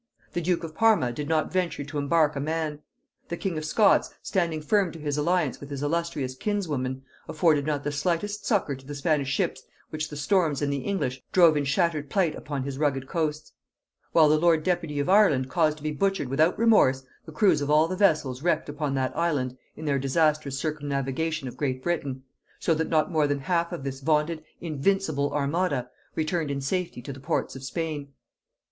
The duke of Parma did not venture to embark a man. The king of Scots, standing firm to his alliance with his illustrious kinswoman, afforded not the slightest succour to the Spanish ships which the storms and the English drove in shattered plight upon his rugged coasts; while the lord deputy of Ireland caused to be butchered without remorse the crews of all the vessels wrecked upon that island in their disastrous circumnavigation of Great Britain: so that not more than half of this vaunted invincible armada returned in safety to the ports of Spain.